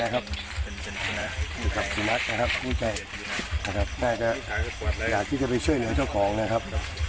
ครับเขาขอสัตว์สุดยีนะครับให้น้องเจ้าเคลื่อนนะครับ